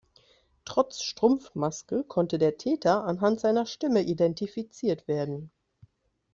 Trotz Strumpfmaske konnte der Täter anhand seiner Stimme identifiziert werden.